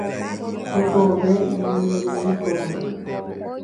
Hekove milíkoramo.